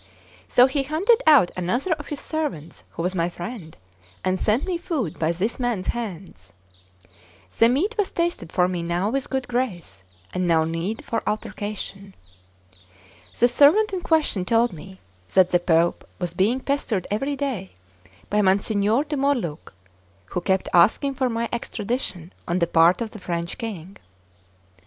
So he hunted out another of his servants, who was my friend, and sent me food by this man's hands. The meat was tasted for me now with good grace, and no need for altercation. The servant in question told me that the Pope was being pestered every day by Monsignor di Morluc, who kept asking for my extradition on the part of the French King.